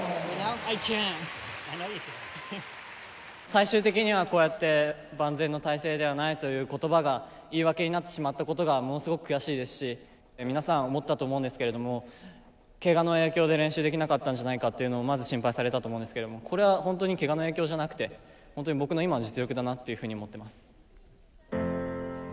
最終的にはこうやって万全の態勢ではないという言葉が言い訳になってしまったことがものすごく悔しいですし皆さん思ったと思うんですけれどもけがの影響で練習できなかったんじゃないかっていうのをまず心配されたと思うんですけれどもこれは本当にけがの影響じゃなくて本当に僕の今の実力だなっていうふうに思ってます。